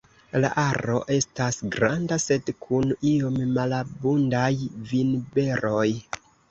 La aro estas granda sed kun iom malabundaj vinberoj.